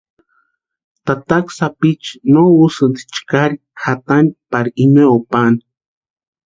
Tataka sapichu nu úsïnti chkari kʼatani pari imoo pani.